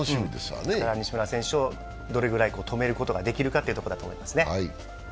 西村選手をどれぐらい止めることができるかというところだと思いますね。